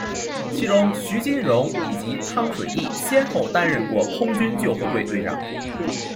其中徐金蓉以及汤水易先后担任过空军救护队队长。